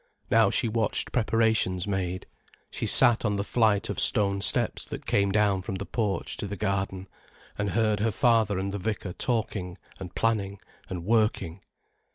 Now she watched preparations made, she sat on the flight of stone steps that came down from the porch to the garden, and heard her father and the vicar talking and planning and working.